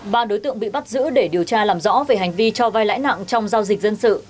ba đối tượng bị bắt giữ để điều tra làm rõ về hành vi cho vai lãi nặng trong giao dịch dân sự